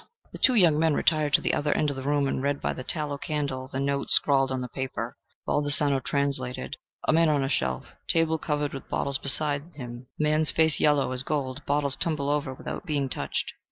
The two young men retired to the other end of the room and read by the tallow candle the notes scrawled on the paper. Baldassano translated: "A man on a shelf table covered with bottles beside him: man's face yellow as gold: bottles tumble over without being touched."